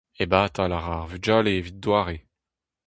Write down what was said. Ebatal a ra ar vugale evit doare !